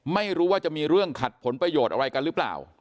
ไม่รู้ว่าจะมีเรื่องขัดผลประโยชน์อะไรกันหรือเปล่า